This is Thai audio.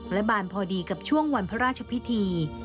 และบานพอดีกับช่วงวันพระราชพิธี